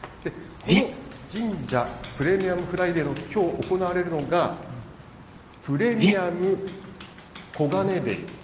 この神社、プレミアムフライデーのきょう行われるのが、プレミアム金デー。